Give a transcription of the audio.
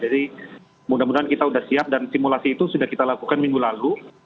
jadi mudah mudahan kita sudah siap dan simulasi itu sudah kita lakukan minggu lalu